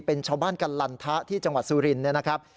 เป็นชาวบ้านกัลลันทะที่จังหวัดสุรินเนี่ยนะครับ